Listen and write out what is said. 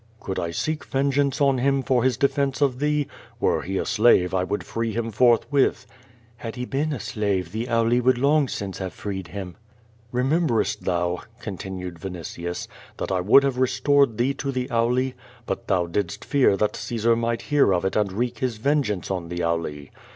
"Could I seek vengeance on him for his defence of thee? Were he a slave I would free him forthwith." "Hjid he been a slave the Auli would long since have freed him." "Ik'i.iemberest thou," continued Vinitius, "that I would liave restored thee to the Auli? lUit thou didst fear that Caesar might hear of it and wreak his vengeance on the Auli.